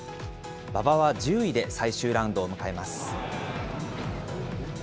馬場は１０位で最終ラウンドを迎えます。